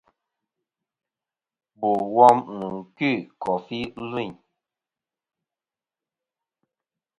Bò wom nɨ̀n kœ̂ kòfi lvîn.